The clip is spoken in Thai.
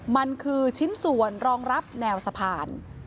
มันคือชิ้นส่วนรองรับแนวสะพาน